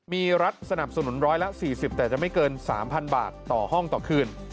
มีรัฐสนับสนุน๑๔๐แต่จะไม่เกิน๓๐๐บาทต่อห้องต่อคืน